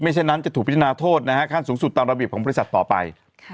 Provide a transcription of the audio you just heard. เช่นนั้นจะถูกพิจารณาโทษนะฮะขั้นสูงสุดตามระเบียบของบริษัทต่อไป